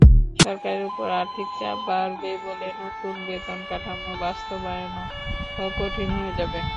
সরকারের ওপর আর্থিক চাপ বাড়বে বলে নতুন বেতনকাঠামো বাস্তবায়নও কঠিন হয়ে যাবে।